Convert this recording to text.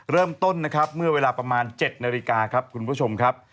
เริ่มต้นนะครับเมื่อเวลาประมาณ๗นาฬิกาครับ